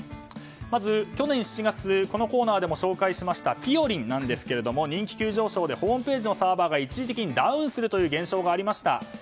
まず去年７月このコーナーでも紹介しましたぴよりんなんですけれども人気急上昇でホームページのサーバーが一時的にダウンする現象がありました。